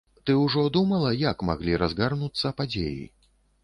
Ты ўжо думала, як маглі разгарнуцца падзеі?